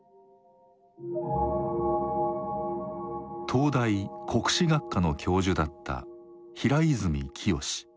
東大国史学科の教授だった平泉澄。